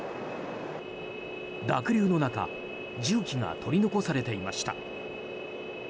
濁流の中重機が取り残されていました。